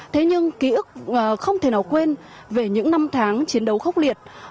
thế nhưng ký ức không thể nào quên về những năm tháng chiến đấu khốc liệt